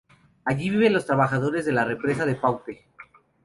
Allí viven los trabajadores de la represa de Paute.